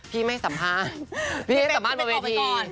พี่ไม่สัมภาษณ์พี่ให้สัมภาษณ์บนเวที